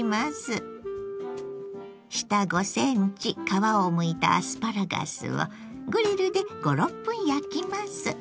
下５ｃｍ皮をむいたアスパラガスをグリルで５６分焼きます。